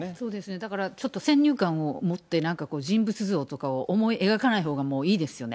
だからちょっと先入観を持って、なんか人物像とかを思い描かないほうがいいですね。